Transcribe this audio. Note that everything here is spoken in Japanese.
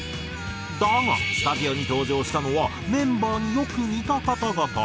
だがスタジオに登場したのはメンバーによく似た方々で。